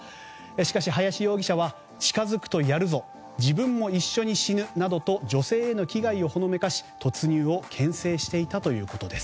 しかし、林容疑者は近づくとやるぞ自分も一緒に死ぬなどと女性への危害をほのめかし突入を牽制していたということです。